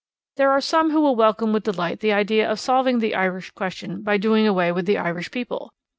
There are some who will welcome with delight the idea of solving the Irish question by doing away with the Irish people.